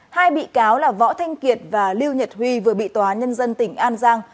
hai bị cáo là võ thanh kiệt và lưu nhật huy vừa bị tòa nhân dân tỉnh an giang